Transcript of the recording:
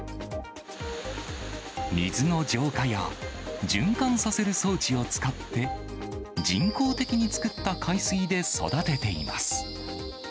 水の浄化や循環させる装置を使って、人工的に作った海水で育てています。